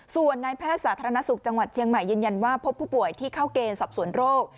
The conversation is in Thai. ส่วนนายแพทย์สาธารณสุขจังหวัดเชียงใหม่ยืนยันว่าพบผู้ป่วยที่เข้าเกณฑ์สอบสวนโรค